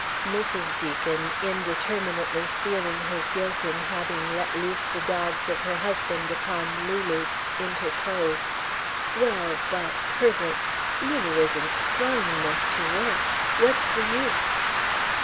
Mrs. Deacon, indeterminately feeling her guilt in having let loose the dogs of her husband upon Lulu, interposed: "Well, but, Herbert Lulu isn't strong enough to work. What's the use...."